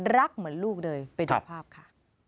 รักเหมือนลูกเลยไปดูภาพค่ะ